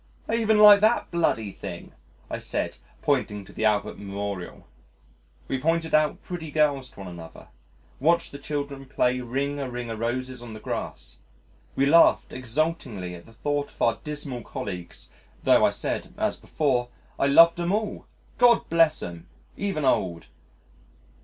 "I even like that bloody thing," I said, pointing to the Albert Memorial. We pointed out pretty girls to one another, watched the children play ring a ring a roses on the grass. We laughed exultingly at the thought of our dismal colleagues ... tho' I said (as before!) I loved 'em all God bless 'em even old